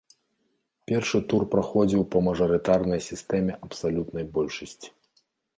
Першы тур праходзіў па мажарытарнай сістэме абсалютнай большасці.